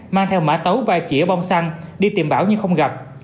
mang theo mã tấu và chỉa bông xăng đi tìm bảo nhưng không gặp